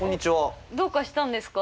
どうかしたんですか？